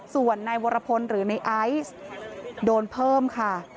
ส่วนนายวรพลหรือในไอซ์โดนเพิ่มค่ะ